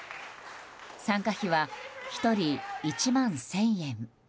参加費は１人１万１０００円。